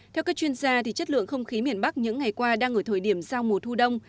theo các chuyên gia chất lượng không khí miền bắc những ngày qua đang ở thời điểm giao mùa thu đông